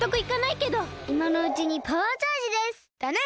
いまのうちにパワーチャージです！だね！